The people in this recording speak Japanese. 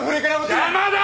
邪魔だ！